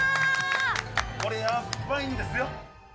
これやばいんですよ。